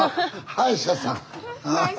歯医者さん。